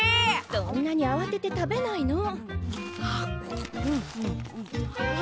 そんなにあわてて食べないの。